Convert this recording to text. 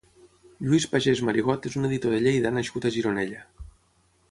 Lluís Pagès Marigot és un editor de Lleida nascut a Gironella.